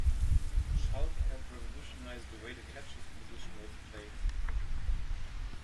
Schalk helped revolutionize the way the catcher's position was played.